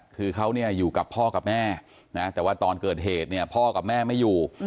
คือเขาเนี่ยอยู่กับพ่อกับแม่นะแต่ว่าตอนเกิดเหตุเนี่ยพ่อกับแม่ไม่อยู่